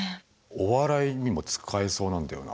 お笑いにも使えそうなんだよな。